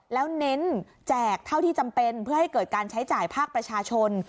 แล้วเน้นแจกเท่าที่จำเป็นเพื่อให้เกิดการใช้จ่ายภาคประชาชน